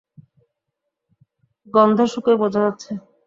গন্ধ শুঁকেই বোঝা যাচ্ছে।